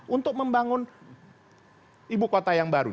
untuk membangun ibu kota yang baru